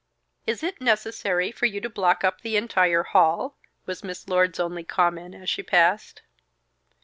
"Is it necessary for you to block up the entire hall?" was Miss Lord's only comment as she passed.